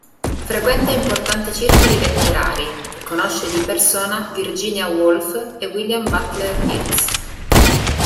Frequenta importanti circoli letterari e conosce di persona Virginia Woolf e William Butler Yeats.